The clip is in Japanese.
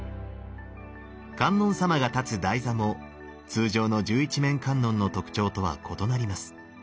観音様が立つ台座も通常の十一面観音の特徴とは異なります。